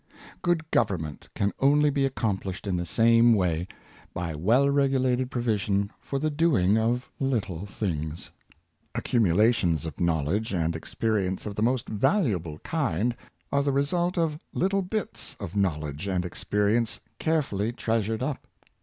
Good government can only be accomplished in the same way — by well regulated provision for the doing of little things. Accumulations of knowledge and experience of the most valuable kind are the result of little bits of knowl edge and experience carefully treasured up.